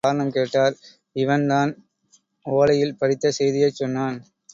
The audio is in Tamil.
என்ன இது? என்று காரணம் கேட்டார் இவன் தான் ஒலையில் படித்த செய்தியைச் சொன்னான்.